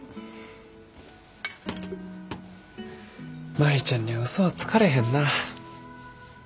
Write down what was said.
舞ちゃんにはうそはつかれへんなぁ。